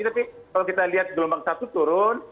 tapi kalau kita lihat gelombang satu turun